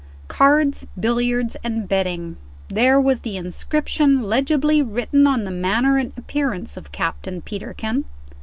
"Cards, billiards, and betting" there was the inscription legibly written on the manner and appearance of Captain Peterkin.